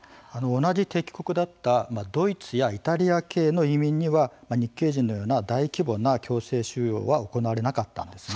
同じ敵国だったドイツやイタリア系の移民には日系人のような大規模な強制収容は行われなかったんです。